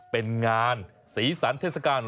เป็นงานสีสันเทศกาล